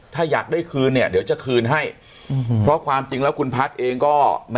ถ้าอยากได้คืนเนี่ยเดี๋ยวจะคืนให้เพราะความจริงแล้วคุณพัฒน์เองก็